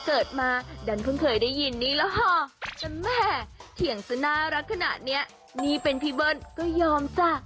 เกิดมาดันเพิ่งเคยได้ยินนี่แล้วห่อจนแม่เถียงจะน่ารักขนาดเนี้ยนี่เป็นพี่เบิ้ลก็ยอมจ้ะ